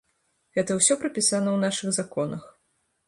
Гэта ўсё прапісана ў нашых законах.